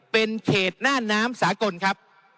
เป็นเขตหน้าน้ำสากลครับ